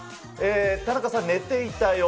田中さん、寝ていたよ。